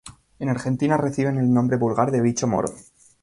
En Argentina reciben el nombre vulgar de bicho moro.